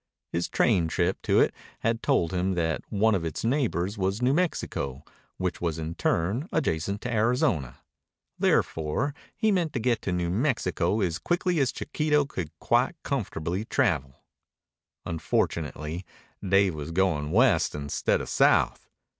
His train trip to it had told him that one of its neighbors was New Mexico, which was in turn adjacent to Arizona. Therefore he meant to get to New Mexico as quickly as Chiquito could quite comfortably travel. Unfortunately Dave was going west instead of south.